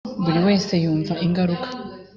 buri wese yumva ingaruka